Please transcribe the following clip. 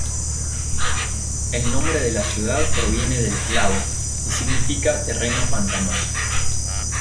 El nombre de la ciudad proviene del eslavo y significa ""Terreno pantanoso".